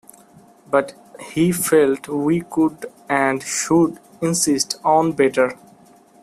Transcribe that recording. But he felt we could and should insist on better.